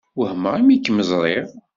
Wehmeɣ imi kem-ẓṛiɣ.